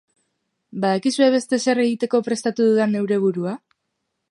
Badakizue beste zer egiteko prestatu dudan neure burua?